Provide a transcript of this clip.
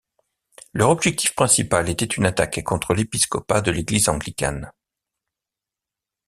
Leur objectif principal était une attaque contre l'épiscopat de l'Église anglicane.